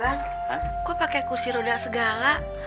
bang kok pakai kursi roda segala